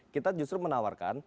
kita justru menawarkan